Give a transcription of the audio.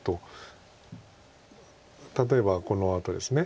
例えばこのあとです。